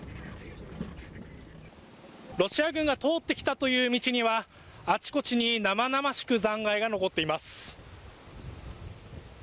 ロシア軍が通ってきたという道には、あちこちに生々しく残骸が残っています。